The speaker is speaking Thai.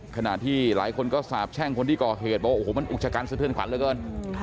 ขนาดที่หลายคนก็สาบแช่งคนที่ก่อเหตุโอ้โหมันอุกชะกันเสื้อเพื่อนขวัญแล้วเกิน